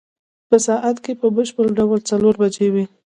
په ساعت کې په بشپړ ډول څلور بجې وې.